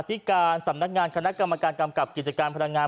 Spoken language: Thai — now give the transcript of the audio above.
ที่การสำนักงานคณะกรรมการกำกับกิจการพลังงาน